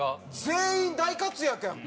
全員大活躍やんか。